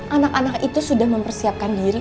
anak anak itu sudah mempersiapkan diri